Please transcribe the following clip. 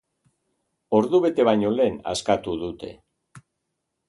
Ordubete baino lehen askatu dute.